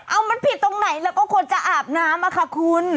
เอามันผิดตรงไหนแล้วก็ควรจะอาบน้ำอะค่ะคุณ